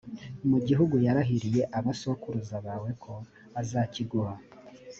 mu gihugu yarahiriye abasokuruza bawe ko azakiguha.